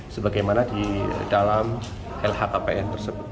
sebagaimana di dalam lhkpn tersebut